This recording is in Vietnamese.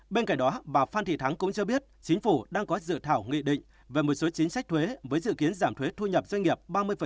bên cạnh đó bà phan thị thắng cũng cho biết chính phủ đang có dự thảo nghị định về một số chính sách thuế với dự kiến giảm thuế thu nhập doanh nghiệp ba mươi